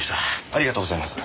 ありがとうございます。